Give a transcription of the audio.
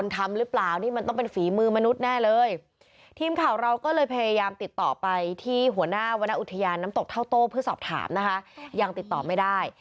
เทาโต้เพื่อสอบถามนะคะยังติดต่อไม่ได้